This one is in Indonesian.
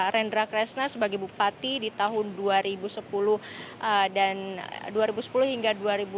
rendra kresna sebagai bupati di tahun dua ribu sepuluh hingga dua ribu lima belas